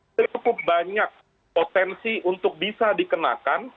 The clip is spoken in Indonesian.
cukup banyak potensi untuk bisa dikenakan